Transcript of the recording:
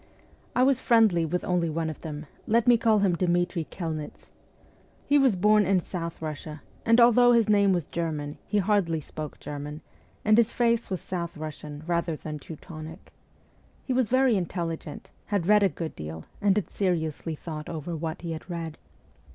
I was friendly with only one of them : let me call him Dmitri Kelnitz. He was born in South Eussia, and, although his name was German, he hardly spoke German, and his face was South Russian rather than Teutonic. He was very intelligent, had read a great deal, and had seriously thought over what he had read.